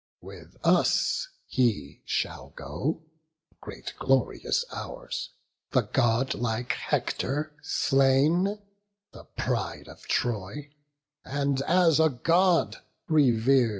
with us he shall go; Great glory is ours, the godlike Hector slain, The pride of Troy, and as a God rever'd."